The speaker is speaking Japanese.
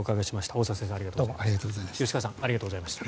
大澤先生、吉川さんありがとうございました。